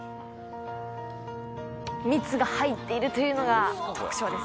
蜜が入っているというのが特徴です。